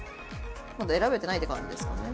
まだ選べてないって感じですかね。